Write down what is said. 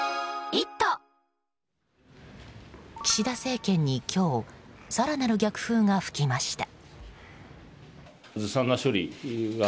岸田政権に今日更なる逆風が吹きました。